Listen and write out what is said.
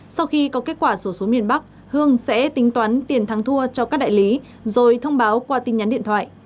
sau khi có kết quả số số miền bắc hương sẽ tính toán tiền thắng thua cho các đại lý rồi thông báo qua tin nhắn điện thoại